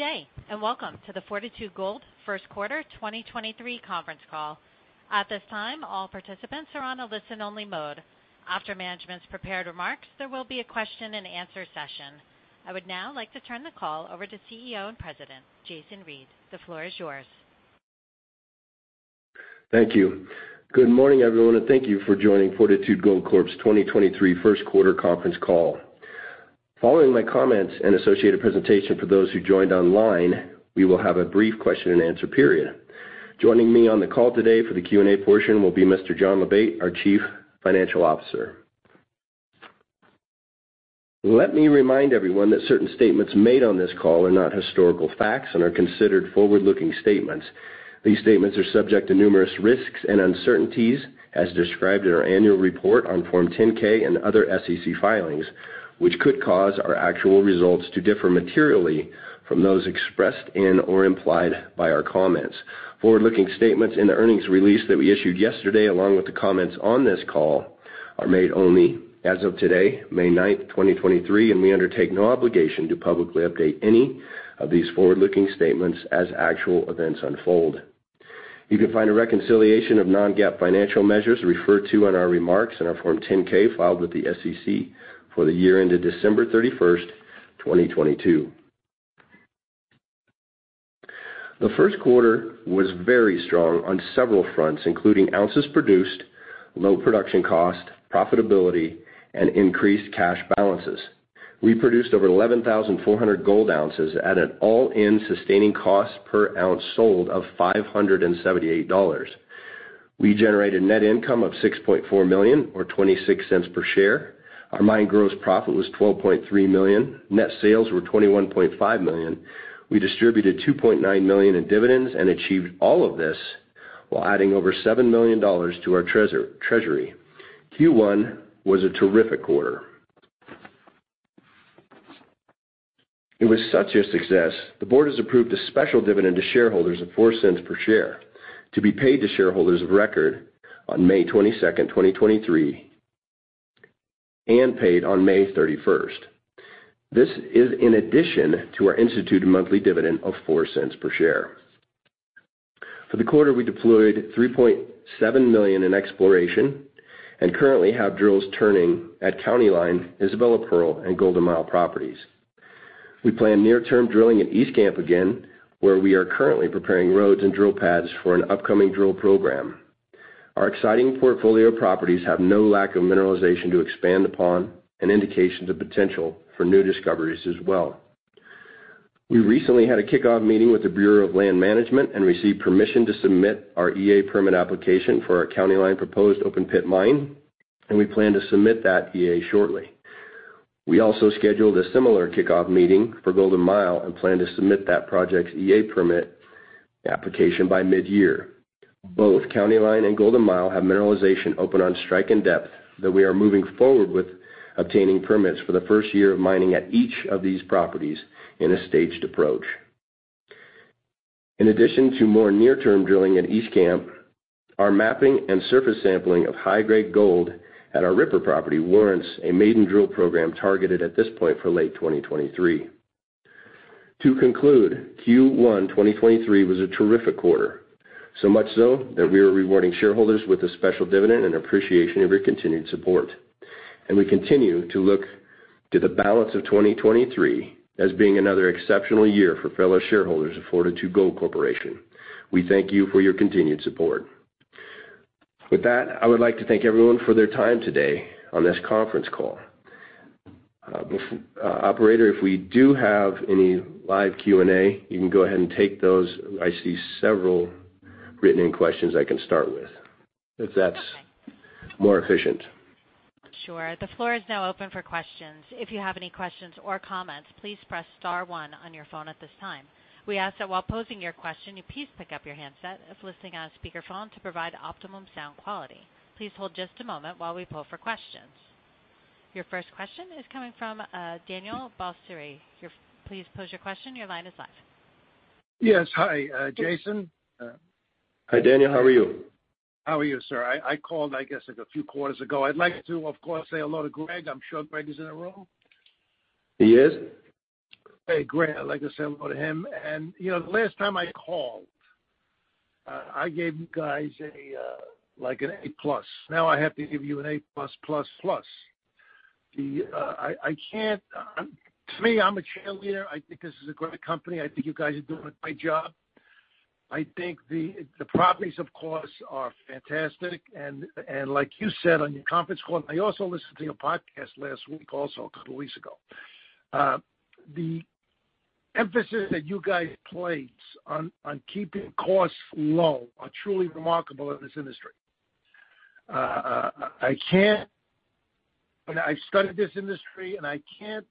Good day, welcome to the Fortitude Gold Q1 2023 conference call. At this time, all participants are on a listen-only mode. After management's prepared remarks, there will be a question-and-answer session. I would now like to turn the call over to CEO and President, Jason Reid. The floor is yours. Thank you. Good morning, everyone, and thank you for joining Fortitude Gold Corp.'s 2023 Q1 conference call. Following my comments and associated presentation for those who joined online, we will have a brief question-and-answer period. Joining me on the call today for the Q&A portion will be Mr. John Labate, our Chief Financial Officer. Let me remind everyone that certain statements made on this call are not historical facts and are considered forward-looking statements. These statements are subject to numerous risks and uncertainties as described in our annual report on Form 10-K and other SEC filings, which could cause our actual results to differ materially from those expressed in or implied by our comments. Forward-looking statements in the earnings release that we issued yesterday, along with the comments on this call, are made only as of today, May 9, 2023. We undertake no obligation to publicly update any of these forward-looking statements as actual events unfold. You can find a reconciliation of non-GAAP financial measures referred to in our remarks in our Form 10-K filed with the SEC for the year ended December 31, 2022. The Q1 was very strong on several fronts, including ounces produced, low production cost, profitability, and increased cash balances. We produced over 11,400 gold ounces at an all-in sustaining cost per ounce sold of $578. We generated net income of $6.4 million or $0.26 per share. Our mine gross profit was $12.3 million. Net sales were $21.5 million. We distributed $2.9 million in dividends and achieved all of this while adding over $7 million to our treasury. Q1 was a terrific quarter. It was such a success, the board has approved a special dividend to shareholders of $0.04 per share to be paid to shareholders of record on May 22nd, 2023 and paid on May 31st. This is in addition to our instituted monthly dividend of $0.04 per share. For the quarter, we deployed $3.7 million in exploration and currently have drills turning at County Line, Isabella Pearl, and Golden Mile properties. We plan near-term drilling at East Camp again, where we are currently preparing roads and drill pads for an upcoming drill program. Our exciting portfolio of properties have no lack of mineralization to expand upon and indications of potential for new discoveries as well. We recently had a kickoff meeting with the Bureau of Land Management and received permission to submit our EA permit application for our County Line proposed open-pit mine, and we plan to submit that EA shortly. We also scheduled a similar kickoff meeting for Golden Mile and plan to submit that project's EA permit application by mid-year. Both County Line and Golden Mile have mineralization open on strike and depth that we are moving forward with obtaining permits for the first year of mining at each of these properties in a staged approach. In addition to more near-term drilling at East Camp, our mapping and surface sampling of high-grade gold at our Ripper property warrants a maiden drill program targeted at this point for late 2023. To conclude, Q1, 2023 was a terrific quarter, so much so that we are rewarding shareholders with a special dividend in appreciation of your continued support. We continue to look to the balance of 2023 as being another exceptional year for fellow shareholders of Fortitude Gold Corporation. We thank you for your continued support. With that, I would like to thank everyone for their time today on this conference call. With operator, if we do have any live Q&A, you can go ahead and take those. I see several written questions I can start with, if that's more efficient. Sure. The floor is now open for questions. If you have any questions or comments, please press star one on your phone at this time. We ask that while posing your question, you please pick up your handset if listening on speakerphone to provide optimum sound quality. Please hold just a moment while we poll for questions. Your first question is coming from Daniel Bassiri. Please pose your question. Your line is live. Yes. Hi, Jason. Hi, Daniel. How are you? How are you, sir? I called, I guess, like, a few quarters ago. I'd like to, of course, say hello to Greg. I'm sure Greg is in the room. He is. Hey, Greg. I'd like to say hello to him. You know, the last time I called, I gave you guys a, like, an A plus. Now I have to give you an A plus plus plus. To me, I'm a cheerleader. I think this is a great company. I think you guys are doing a great job. I think the properties, of course, are fantastic. Like you said on your conference call, I also listened to your podcast last week, also a couple weeks ago. The emphasis that you guys place on keeping costs low are truly remarkable in this industry. I can't. I studied this industry, and I can't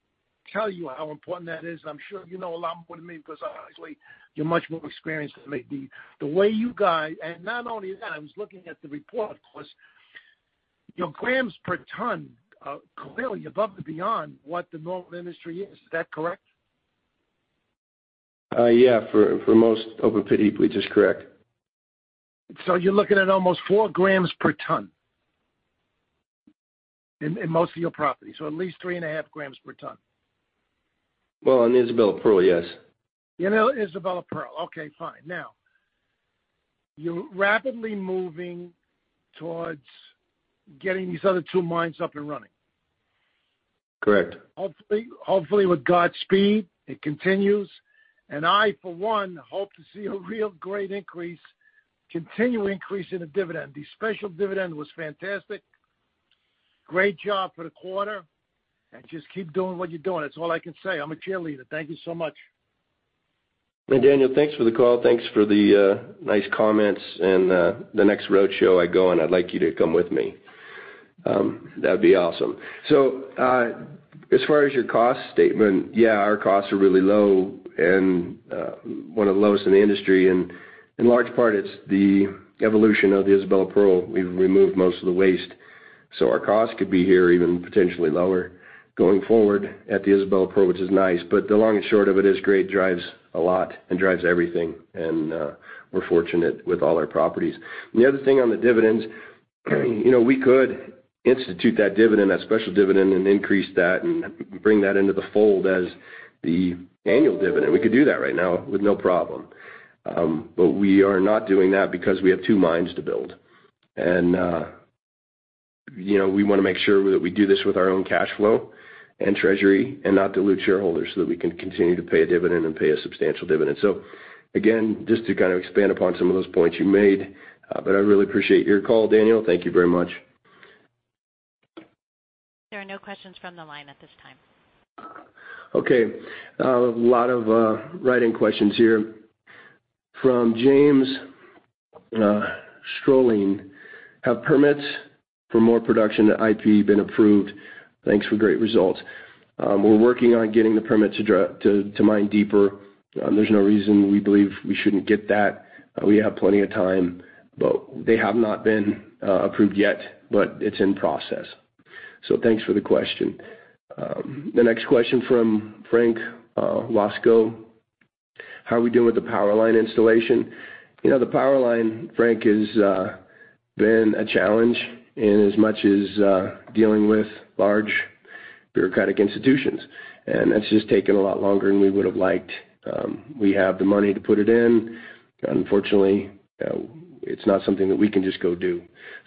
tell you how important that is. I'm sure you know a lot more than me because honestly, you're much more experienced than me. Not only that, I was looking at the report because your grams per tonne are clearly above and beyond what the normal industry is. Is that correct? Yeah, for most open pit heap, which is correct. You're looking at almost 4 g/t, in most of your properties, so at least 3.54 g/t? Well, in Isabella Pearl, yes. In Isabella Pearl. Okay, fine. Now, you're rapidly moving towards getting these other two mines up and running. Correct. Hopefully with Godspeed, it continues. I, for one, hope to see a real great increase, continuing increase in the dividend. The special dividend was fantastic. Great job for the quarter, just keep doing what you're doing. That's all I can say. I'm a cheerleader. Thank you so much. Daniel, thanks for the call. Thanks for the nice comments and the next roadshow I go on, I'd like you to come with me. That'd be awesome. As far as your cost statement, yeah, our costs are really low and one of the lowest in the industry. In large part it's the evolution of the Isabella Pearl. We've removed most of the waste, so our costs could be here even potentially lower going forward at the Isabella Pearl, which is nice. The long and short of it is grade drives a lot and drives everything, and we're fortunate with all our properties. The other thing on the dividends, you know, we could institute that dividend, that special dividend, and increase that and bring that into the fold as the annual dividend. We could do that right now with no problem. We are not doing that because we have two mines to build. You know, we wanna make sure that we do this with our own cash flow and treasury and not dilute shareholders so that we can continue to pay a dividend and pay a substantial dividend. Again, just to kind of expand upon some of those points you made, but I really appreciate your call, Daniel. Thank you very much. There are no questions from the line at this time. Okay. A lot of write-in questions here. From James Strolling. Have permits for more production at IP been approved? Thanks for great results. We're working on getting the permit to mine deeper. There's no reason we believe we shouldn't get that. We have plenty of time. They have not been approved yet, but it's in process. Thanks for the question. The next question from Frank Lasco. How are we doing with the power line installation? You know, the power line, Frank, has been a challenge in as much as dealing with large bureaucratic institutions. That's just taken a lot longer than we would've liked. We have the money to put it in. Unfortunately, it's not something that we can just go do.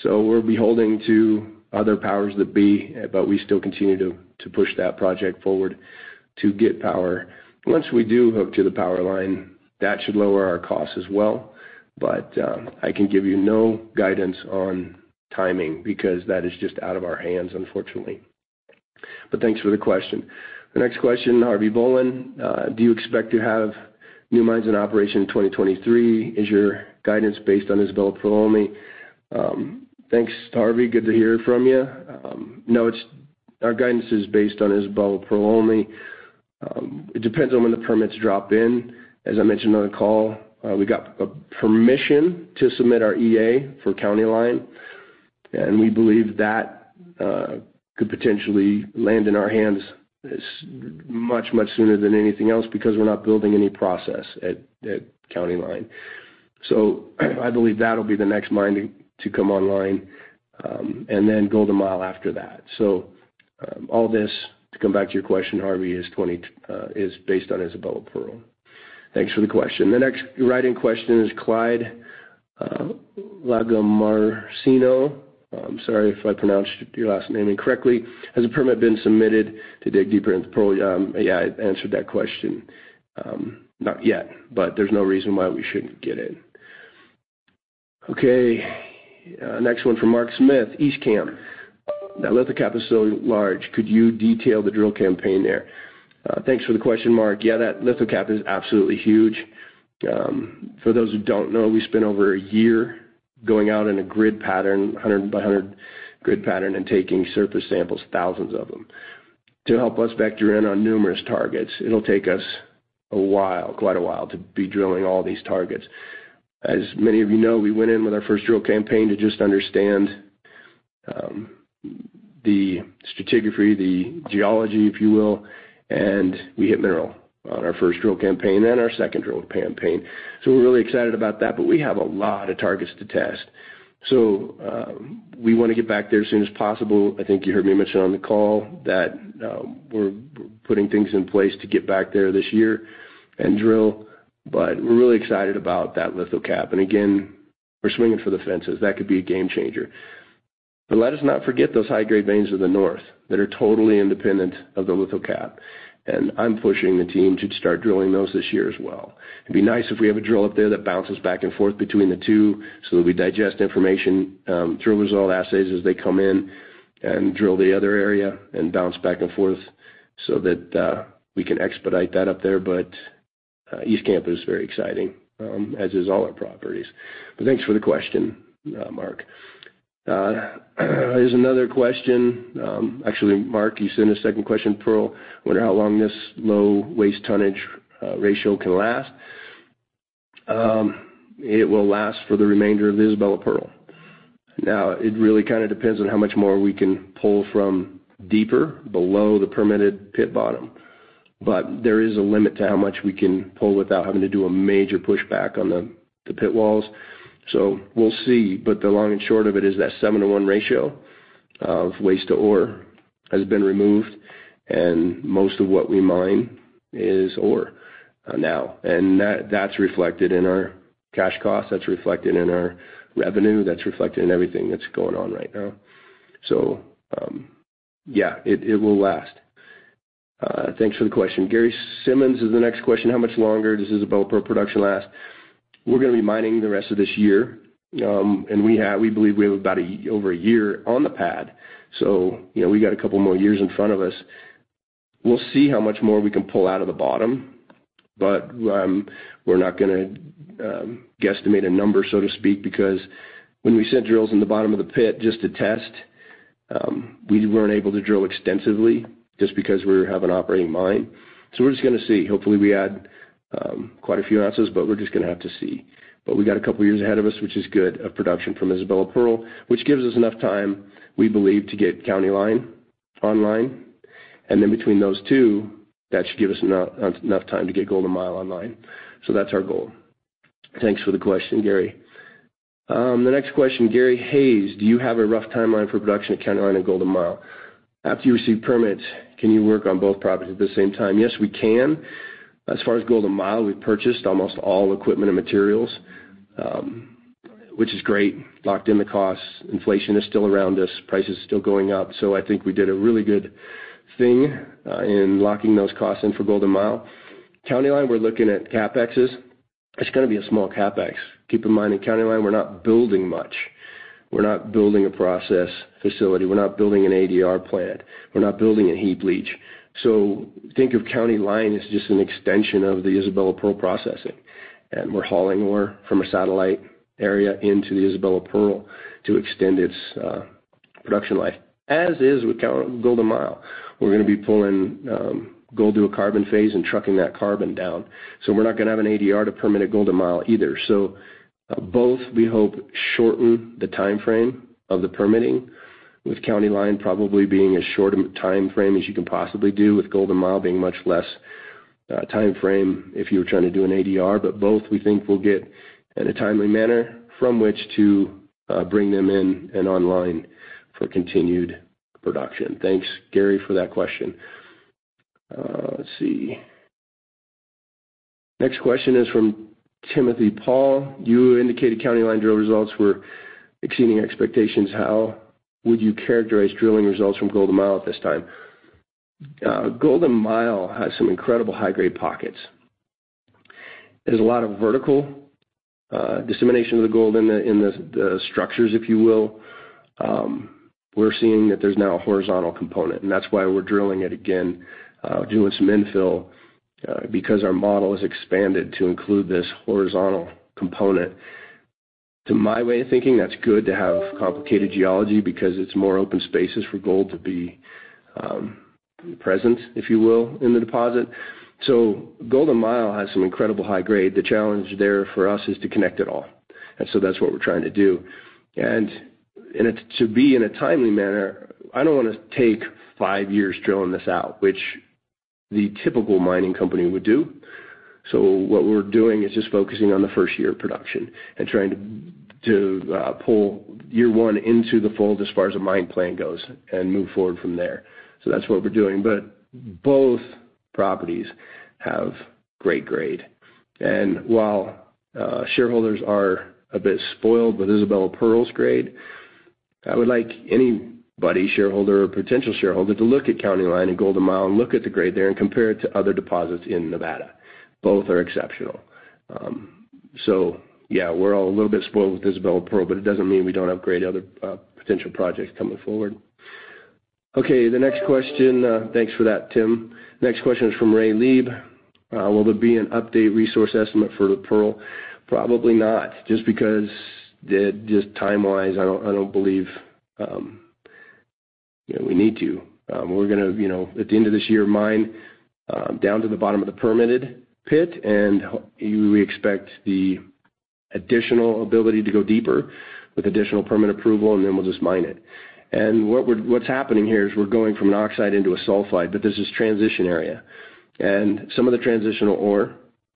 We're beholding to other powers that be, we still continue to push that project forward to get power. Once we do hook to the power line, that should lower our costs as well. I can give you no guidance on timing because that is just out of our hands, unfortunately. Thanks for the question. The next question, Harvey Bowen. Do you expect to have new mines in operation in 2023? Is your guidance based on Isabella Pearl only? Thanks, Harvey. Good to hear from you. No, our guidance is based on Isabella Pearl only. It depends on when the permits drop in. As I mentioned on the call, we got a permission to submit our EA for County Line, and we believe that could potentially land in our hands much, much sooner than anything else because we're not building any process at County Line. I believe that'll be the next mine to come online, and then Gold Mile after that. All this, to come back to your question, Harvey, is based on Isabella Pearl. Thanks for the question. The next write-in question is Clyde Lagomarsino. I'm sorry if I pronounced your last name incorrectly. Has a permit been submitted to dig deeper into Pearl? Yeah, I answered that question. Not yet, but there's no reason why we shouldn't get in. Okay, next one from Mark Smith, East Camp. The lithocap is so large. Could you detail the drill campaign there? Thanks for the question, Mark. Yeah, that lithocap is absolutely huge. For those who don't know, we spent over a year going out in a grid pattern, a 100 by 100 grid pattern, and taking surface samples, thousands of them, to help us vector in on numerous targets. It'll take us a while, quite a while, to be drilling all these targets. As many of you know, we went in with our first drill campaign to just understand the stratigraphy, the geology, if you will, and we hit mineral on our first drill campaign and our second drill campaign. We're really excited about that, but we have a lot of targets to test. We wanna get back there as soon as possible. I think you heard me mention on the call that, we're putting things in place to get back there this year and drill, but we're really excited about that lithocap. Again, we're swinging for the fences. That could be a game changer. Let us not forget those high-grade veins of the north that are totally independent of the lithocap, and I'm pushing the team to start drilling those this year as well. It'd be nice if we have a drill up there that bounces back and forth between the two, so that we digest information, drill result assays as they come in and drill the other area and bounce back and forth so that we can expedite that up there. East Camp is very exciting, as is all our properties. Thanks for the question, Mark. Here's another question. Actually, Mark, you sent a second question. Pearl, wonder how long this low waste tonnage ratio can last. It will last for the remainder of the Isabella Pearl. It really kind of depends on how much more we can pull from deeper below the permitted pit bottom. There is a limit to how much we can pull without having to do a major push back on the pit walls. We'll see. The long and short of it is that 7 to 1 ratio of waste to ore has been removed, and most of what we mine is ore now. That's reflected in our cash costs, that's reflected in our revenue, that's reflected in everything that's going on right now. Yeah, it will last. Thanks for the question. Gary Simmons, is the next question: How much longer does Isabella Pearl production last? We're gonna be mining the rest of this year. We believe we have about over a year on the pad, so you know, we got couple more years in front of us. We'll see how much more we can pull out of the bottom. We're not gonna guesstimate a number, so to speak, because when we sent drills in the bottom of the pit just to test, we weren't able to drill extensively just because we have an operating mine. We're just gonna see. Hopefully, we add quite a few ounces, but we're just gonna have to see. We got a couple of years ahead of us, which is good, of production from Isabella Pearl, which gives us enough time, we believe, to get County Line online. Between those two, that should give us enough time to get Golden Mile online. That's our goal. Thanks for the question, Gary. The next question: Do you have a rough timeline for production at County Line and Golden Mile? After you receive permits, can you work on both properties at the same time? Yes, we can. As far as Golden Mile, we purchased almost all equipment and materials, which is great. Locked in the costs. Inflation is still around us. Price is still going up. I think we did a really good thing in locking those costs in for Golden Mile. County Line, we're looking at CapExs. It's gonna be a small CapEx. Keep in mind, in County Line, we're not building much. We're not building a process facility. We're not building an ADR plant. We're not building a heap leach. Think of County Line as just an extension of the Isabella Pearl processing. We're hauling ore from a satellite area into the Isabella Pearl to extend its production life. As is with Golden Mile. We're gonna be pulling gold through a carbon phase and trucking that carbon down, we're not gonna have an ADR to permit at Golden Mile either. Both, we hope, shorten the timeframe of the permitting, with County Line probably being as short a timeframe as you can possibly do, with Golden Mile being much less timeframe if you were trying to do an ADR. Both, we think, will get in a timely manner from which to bring them in and online for continued production. Thanks, Gary, for that question. Let's see. Next question is from Timothy Paul: You indicated County Line drill results were exceeding expectations. How would you characterize drilling results from Golden Mile at this time? Golden Mile has some incredible high-grade pockets. There's a lot of vertical dissemination of the gold in the structures, if you will. We're seeing that there's now a horizontal component, and that's why we're drilling it again, doing some infill, because our model has expanded to include this horizontal component. To my way of thinking, that's good to have complicated geology because it's more open spaces for gold to be present, if you will, in the deposit. Golden Mile has some incredible high grade. The challenge there for us is to connect it all. That's what we're trying to do. It's to be in a timely manner. I don't wanna take five years drilling this out, which the typical mining company would do. What we're doing is just focusing on the first year of production and trying to pull year one into the fold as far as a mine plan goes and move forward from there. That's what we're doing. Both properties have great grade. While shareholders are a bit spoiled with Isabella Pearl's grade, I would like anybody, shareholder or potential shareholder, to look at County Line and Golden Mile and look at the grade there and compare it to other deposits in Nevada. Both are exceptional. We're all a little bit spoiled with Isabella Pearl, but it doesn't mean we don't have great other potential projects coming forward. The next question. Thanks for that, Tim. Next question is from Ray Lieb: Will there be an updated resource estimate for the Pearl? Probably not. Just because time-wise, I don't believe, you know, we need to. We're gonna, you know, at the end of this year, mine down to the bottom of the permitted pit, and we expect the additional ability to go deeper with additional permit approval, and then we'll just mine it. What's happening here is we're going from an oxide into a sulfide, but there's this transition area. Some of the transitional ore,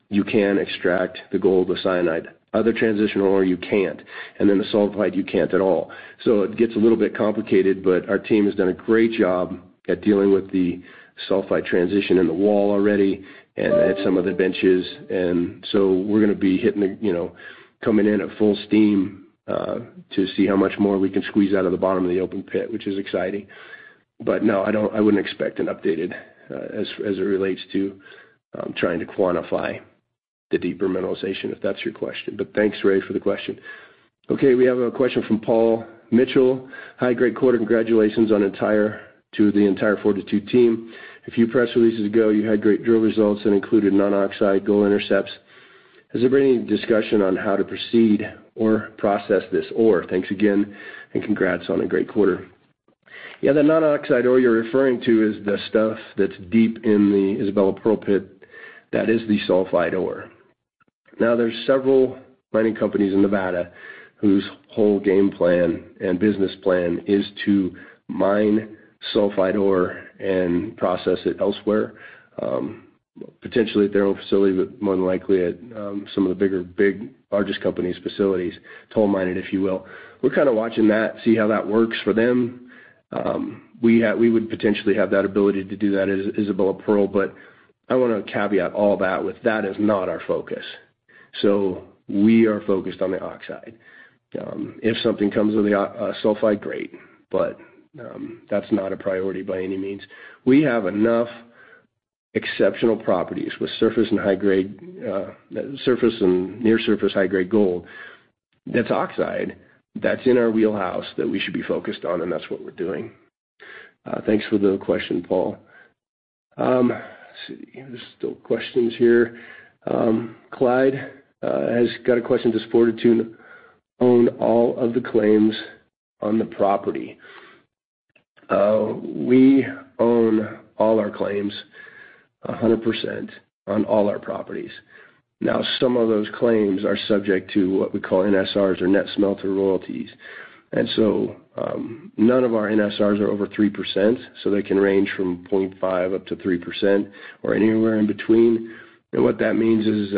you can extract the gold with cyanide. Other transitional ore, you can't. The sulfide, you can't at all. It gets a little bit complicated, but our team has done a great job at dealing with the sulfide transition in the wall already and at some of the benches. We're gonna be hitting the coming in at full steam to see how much more we can squeeze out of the bottom of the open pit, which is exciting. No, I wouldn't expect an updated as it relates to trying to quantify the deeper mineralization, if that's your question. Thanks, Ray, for the question. We have a question from Paul Mitchell: High-grade quarter. Congratulations to the entire Fortitude team. A few press releases ago, you had great drill results that included non-oxide gold intercepts. Has there been any discussion on how to proceed or process this ore? Thanks again, and congrats on a great quarter. The non-oxide ore you're referring to is the stuff that's deep in the Isabella Pearl pit. That is the sulfide ore. There's several mining companies in Nevada whose whole game plan and business plan is to mine sulfide ore and process it elsewhere, potentially at their own facility, but more than likely at some of the largest companies' facilities, toll mine it, if you will. We're kinda watching that, see how that works for them. We would potentially have that ability to do that at Isabella Pearl, but I wanna caveat all that with that is not our focus. We are focused on the oxide. If something comes with a sulfide grade, that's not a priority by any means. We have enough exceptional properties with surface and high-grade, surface and near surface high-grade gold that's oxide that's in our wheelhouse that we should be focused on, and that's what we're doing. Thanks for the question, Paul. Let's see. There's still questions here. Clyde has got a question. Does Fortitude own all of the claims on the property? We own all our claims 100% on all our properties. Some of those claims are subject to what we call NSRs or net smelter royalties. None of our NSRs are over 3%, so they can range from 0.5 up to 3% or anywhere in between. What that means is,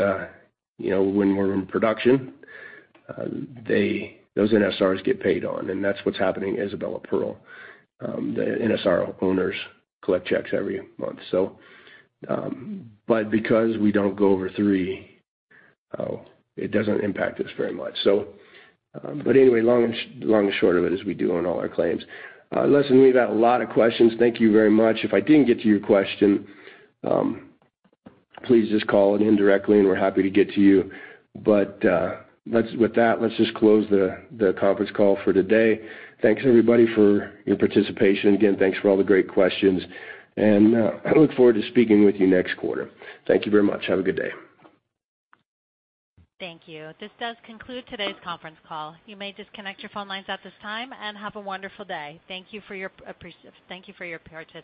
you know, when we're in production, they, those NSRs get paid on, and that's what's happening at Isabella Pearl. The NSR owners collect checks every month. Because we don't go over three, it doesn't impact us very much. Anyway, long and short of it is we do own all our claims. Listen, we've had a lot of questions. Thank you very much. If I didn't get to your question, please just call it in directly and we're happy to get to you. Let's, with that, let's just close the conference call for today. Thanks everybody for your participation. Again, thanks for all the great questions and I look forward to speaking with you next quarter. Thank you very much. Have a good day. Thank you. This does conclude today's conference call. You may disconnect your phone lines at this time and have a wonderful day. Thank you for your thank you for your participation.